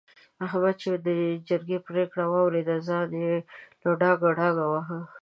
احمد چې د جرګې پرېکړه واورېده؛ ځان يې له ډاګه ډاګه وواهه.